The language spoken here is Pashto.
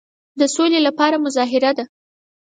د سولي لپاره مظاهره ده.